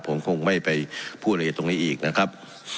ผมคงไม่ไปพูดละเอียดตรงนี้อีกนะครับ